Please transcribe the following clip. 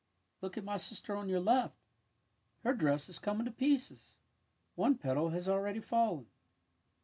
^^ Look at my sister on your left. Her dress is coming to pieces. One petal has already fallen.